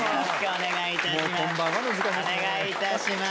お願いいたします